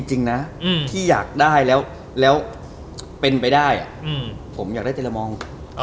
จริงนะที่อยากได้แล้วเป็นไปได้ผมอยากได้แต่เรามอง